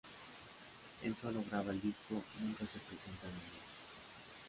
Él solo graba el disco, nunca se presentan en vivo.